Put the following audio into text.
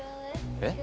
えっ？